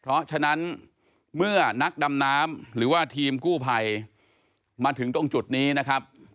เพราะฉะนั้นเมื่อนักดำน้ำหรือว่าทีมกู้ภัยมาถึงตรงจุดนี้นะครับ